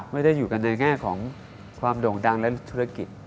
ไม่ได้อยู่กันในแง่ของความโด่งดังและธุรกิจ